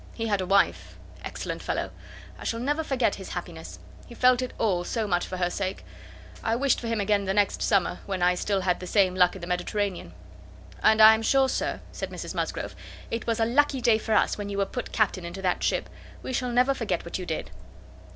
He had a wife. Excellent fellow. I shall never forget his happiness. He felt it all, so much for her sake. I wished for him again the next summer, when I had still the same luck in the Mediterranean." "And I am sure, Sir," said Mrs Musgrove, "it was a lucky day for us, when you were put captain into that ship. We shall never forget what you did."